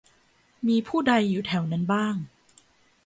มีผู้ใดอยู่แถวนั้นบ้าง